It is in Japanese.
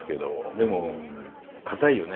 でも固いよね